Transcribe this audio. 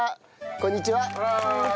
こんにちは。